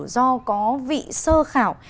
do có vị sơ khảo